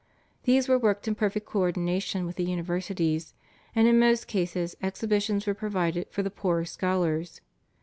These were worked in perfect co ordination with the universities, and in most cases exhibitions were provided for the poorer scholars.